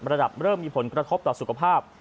เริ่มมีผลกระทบต่อสุขภาพ